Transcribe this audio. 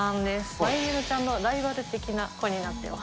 マイメロちゃんのライバル的な子になっています。